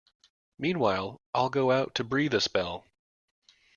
Meanwhile I'll go out to breathe a spell.